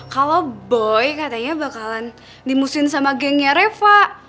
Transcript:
kalau boy katanya bakalan dimusuhin sama gengnya reva